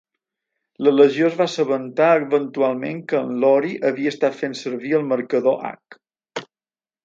La legió es va assabentar eventualment que en Lori havia estat fent servir el marcador H.